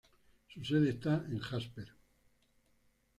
Su sede está en Jasper.